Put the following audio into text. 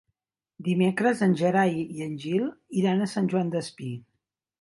Dimecres en Gerai i en Gil iran a Sant Joan Despí.